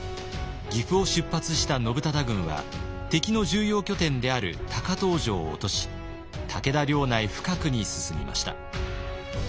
岐阜を出発した信忠軍は敵の重要拠点である高遠城を落とし武田領内深くに進みました。